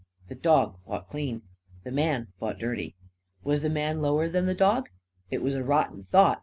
The dog fought clean. The man fought dirty. Was the man lower than the dog? It was a rotten thought.